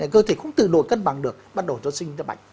cơ thể không tự nổi cân bằng được bắt đầu nó sinh ra bệnh